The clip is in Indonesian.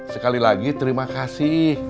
sekali lagi terima kasih